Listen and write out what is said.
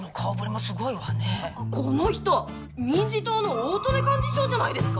この人民自党の大利根幹事長じゃないですか！？